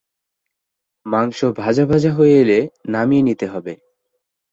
মাংস ভাজা ভাজা হয়ে এলে নামিয়ে নিতে হবে।